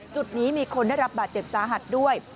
จุดนี้มีคนได้รับบาดเจ็บสาหัสด้วย